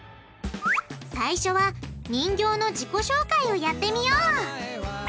最初は人形の自己紹介をやってみよう！